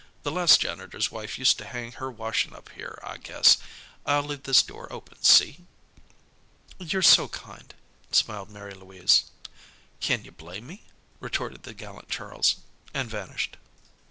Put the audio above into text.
The last janitor's wife used to hang her washin' up here, I guess. I'll leave this door open, see?" "You're so kind," smiled Mary Louise. "Kin you blame me?" retorted the gallant Charles. And vanished.